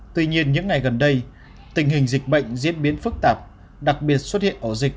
tuy nhiên những ngày gần đây tình hình dịch bệnh diễn biến phức tạp đặc biệt xuất hiện ổ dịch